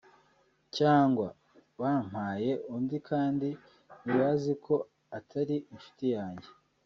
(cyangwa) bampaye undi kandi ntibazi ko atari inshuti yanjye